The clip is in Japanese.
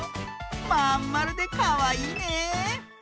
まんまるでかわいいね！